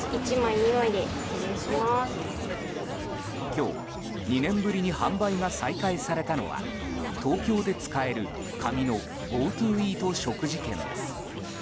今日、２年ぶりに販売が再開されたのは東京で使える、紙のＧｏＴｏイート食事券です。